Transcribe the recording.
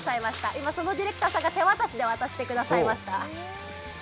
今そのディレクターさんが手渡しで渡してくれました。